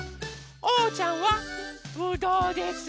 おうちゃんはぶどうです。